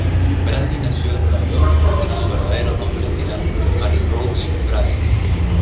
Brady nació en Nueva York, y su verdadero nombre era Mary Rose Brady.